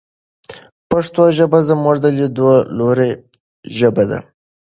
پښتو ژبه زموږ د لیدلوري ژبه ده.